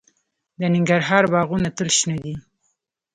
د ننګرهار باغونه تل شنه دي.